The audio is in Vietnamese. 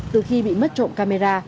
từ khi bị mất trộm camera